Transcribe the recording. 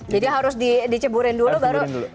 jadi harus diceburin dulu baru